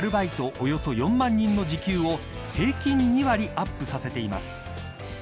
およそ４万人の時給を平均２割アップさせています。